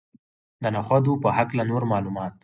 د نخودو په هکله نور معلومات.